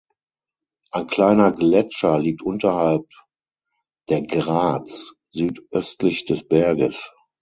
Ein kleiner Gletscher liegt unterhalb der Grats südöstlich des Berges.